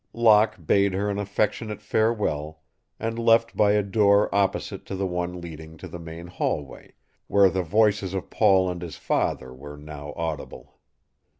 Locke bade her an affectionate farewell and left by a door opposite to the one leading to the main hallway, where the voices of Paul and his father were now audible.